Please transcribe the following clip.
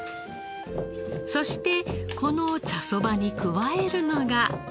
そしてこの茶そばに加えるのが。